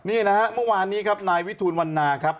นี่นะฮะเมื่อวานนี้ครับนายวิทูลวันนาครับ